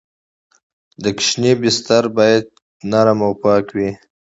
د ماشوم بستر باید نرم او پاک وي۔